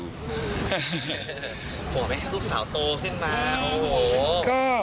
ผัวไม่ให้ลูกสาวโตขึ้นมาโอ้โห